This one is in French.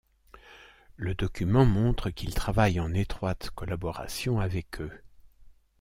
Le document montre qu'il travaille en étroite collaboration avec eux.